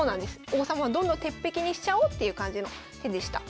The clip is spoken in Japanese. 王様をどんどん鉄壁にしちゃおうっていう感じの手でした。